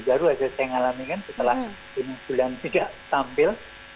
baru aja saya ngalamin kan setelah bulan tiga tampil